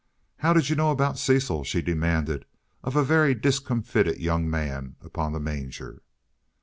"How did you know about Cecil?" she demanded of a very discomfited young man upon the manger.